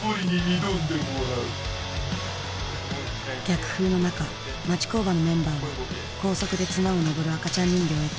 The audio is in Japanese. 逆風の中町工場のメンバーは高速で綱を登る赤ちゃん人形へと魔改造していった。